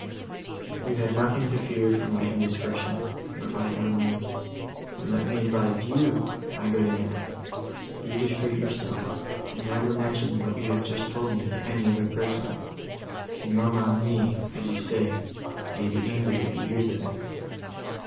"You have nothing to fear from my indiscretion," replied Emily, "and let me advise you, my good Annette, be discreet yourself, and never mention what you have just told me to any other person. Signor Montoni, as you say, may be angry if he hears of it.